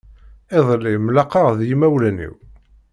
Iḍelli mlaqaɣ d yimawlan-im.